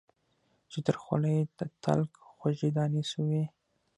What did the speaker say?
چي تر خوله یې د تلک خوږې دانې سوې